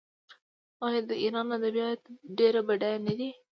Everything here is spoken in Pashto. آیا د ایران ادبیات ډیر بډایه نه دي؟